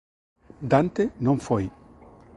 Dante non foi.